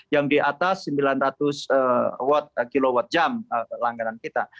yang diatas sembilan ratus kwh langganan kita